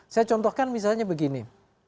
saya contohkan misalnya begini